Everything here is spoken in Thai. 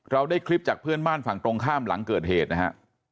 ได้คลิปจากเพื่อนบ้านฝั่งตรงข้ามหลังเกิดเหตุนะฮะ